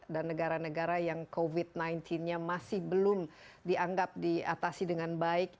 dan negara negara yang covid sembilan belas nya masih belum dianggap diatasi dengan baik